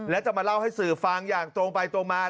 และจะมาเล่าให้สื่อฟังอย่างตรงไปตรงมา